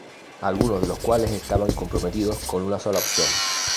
Algunos de los cuales estaban comprometidos con una sola opción.